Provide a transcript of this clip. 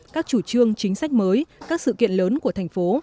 các chủ trương chính sách mới các sự kiện lớn của thành phố